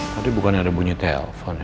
tadi bukan ada bunyi telepon ya